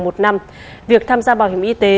một năm việc tham gia bảo hiểm y tế